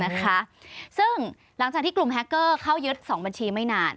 นะคะซึ่งหลังจากที่กลุ่มแฮคเกอร์เข้ายึด๒บัญชีไม่นาน